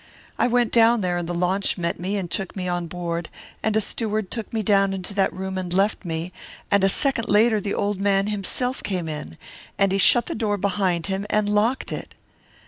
"I went down there, and the launch met me and took me on board, and a steward took me down into that room and left me, and a second later the old man himself came in. And he shut the door behind him and locked it!